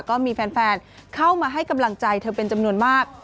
ก็มีแฟนเข้ามาให้กำลังใจเธอเป็นจำนวนมาก